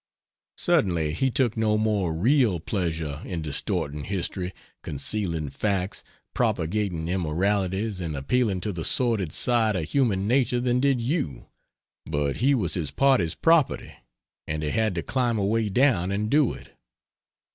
Certainly he took no more real pleasure in distorting history, concealing facts, propagating immoralities, and appealing to the sordid side of human nature than did you; but he was his party's property, and he had to climb away down and do it.